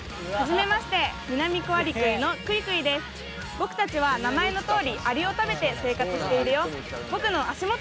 僕たちは名前のとおりアリを食べて生活しているよ。